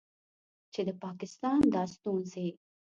چې د پاکستان دا ستونځې